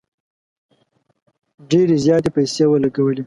ډیري زیاتي پیسې ولګولې.